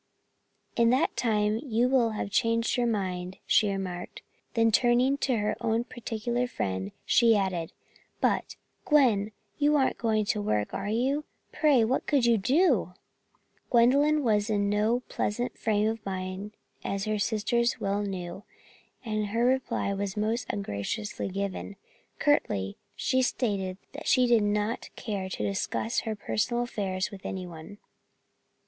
"In that time you will have changed your mind," she remarked. Then turning to her particular friend, she added: "But, Gwen, you aren't going to work, are you? Pray, what could you do?" Gwendolyn was in no pleasant frame of mind as her sisters well knew, and her reply was most ungraciously given. Curtly she stated that she did not care to discuss her personal affairs with anyone.